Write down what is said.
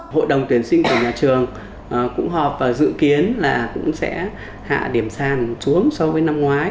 hội đồng tuyển sinh của nhà trường cũng họp và dự kiến là cũng sẽ hạ điểm sàn xuống so với năm ngoái